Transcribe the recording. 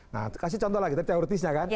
nah kasih contoh lagi tadi teoritisnya kan